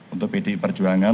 untuk pd perjuangan